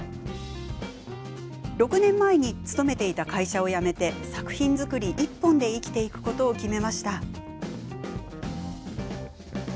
６年前、勤めていた会社を辞め作品作り１本で生きていくことを決めました。